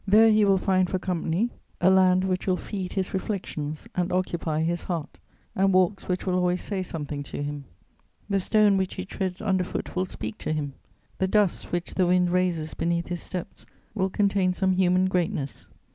There he will find for company a land which will feed his reflections and occupy his heart, and walks which will always say something to him. The stone which he treads under foot will speak to him; the dust which the wind raises beneath his steps will contain some human greatness.